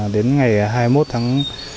đến ngày hai mươi một tháng chín